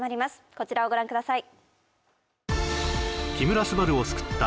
こちらをご覧ください